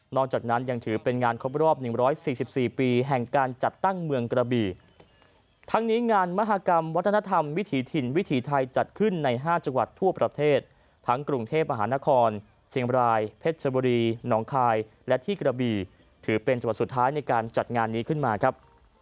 จากนั้นยังถือเป็นงานครบรอบ๑๔๔ปีแห่งการจัดตั้งเมืองกระบีทั้งนี้งานมหากรรมวัฒนธรรมวิถีถิ่นวิถีไทยจัดขึ้นใน๕จังหวัดทั่วประเทศทั้งกรุงเทพมหานครเชียงบรายเพชรชบุรีหนองคายและที่กระบีถือเป็นจังหวัดสุดท้ายในการจัดงานนี้ขึ้นมาครับ